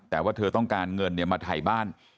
แต่ว่าเธอต้องการเงินมาถ่ายบ้าน